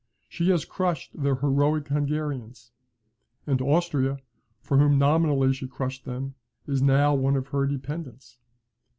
She has crushed the heroic Hungarians; and Austria, for whom nominally she crushed them, is now one of her dependents.